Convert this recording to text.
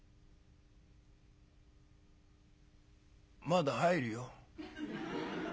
「まだ入るよ。